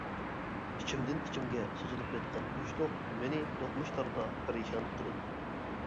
ئىچىمدىن ئىچىمگە سوزۇلۇپ ياتقان بوشلۇق مېنى دوقمۇشلاردا پەرىشان قىلىدۇ.